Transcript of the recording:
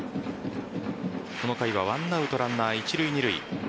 この回は１アウトランナー一塁・二塁。